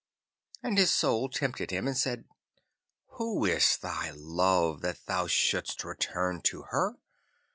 And his Soul tempted him and said, 'Who is thy love, that thou shouldst return to her?